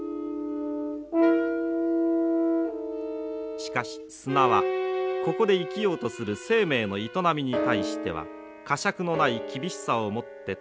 しかし砂はここで生きようとする生命の営みに対しては仮借のない厳しさを持って立ちはだかります。